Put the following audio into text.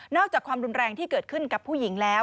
อกจากความรุนแรงที่เกิดขึ้นกับผู้หญิงแล้ว